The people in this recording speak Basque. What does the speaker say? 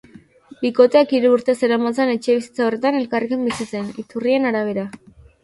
Bikoteak hiru urte zeramatzan etxebizitza horretan elkarrekin bizitzen, iturrien arabera.